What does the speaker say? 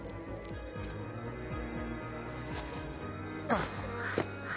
あっ。